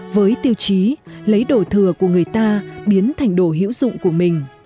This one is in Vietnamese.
với tiêu chí lấy đồ thừa của người ta biến thành đồi hữu dụng của mình